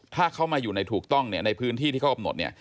ถ้าเขามาอยู่ในถูกต้องเนี่ยในพื้นที่ที่เขากำหนดเนี่ย